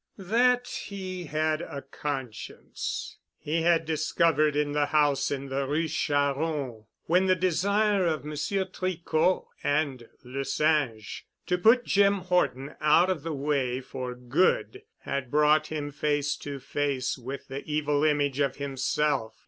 That he had a conscience, he had discovered in the house in the Rue Charron when the desire of Monsieur Tricot and Le Singe to put Jim Horton out of the way for good had brought him face to face with the evil image of himself.